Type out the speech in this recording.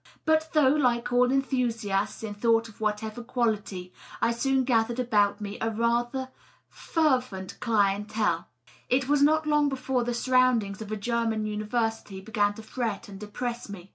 But though, like all enthusiasts in thought of whatever quality, I soon gathered about me a certain rather fervent clienJtMey it was not long before the surroundings of a German university began to fret and depress me.